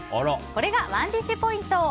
これがＯｎｅＤｉｓｈポイント。